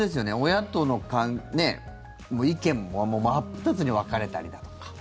親との意見も真っ二つに分かれたりだとか。